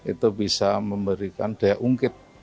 itu bisa memberikan daya ungkit